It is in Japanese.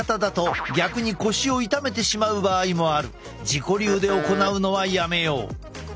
自己流で行うのはやめよう。